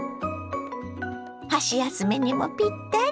箸休めにもぴったり。